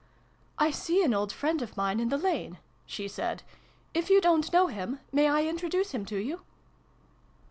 " I see an old friend of mine in the lane," she said :" if you don't know him, may I introduce him to you